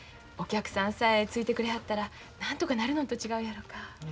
お客さんさえついてくれはったらなんとかなるのんと違うやろか。